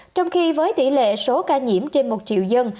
trong khi với tỷ lệ số ca nhiễm trên một triệu dân